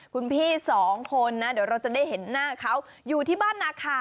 คุณพี่สองคนนะเดี๋ยวเราจะได้เห็นหน้าเขาอยู่ที่บ้านนาคา